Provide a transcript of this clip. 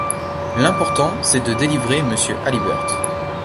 L’important, c’est de délivrer Mr. Halliburtt.